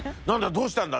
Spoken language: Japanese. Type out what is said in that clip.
どうしたんだ？」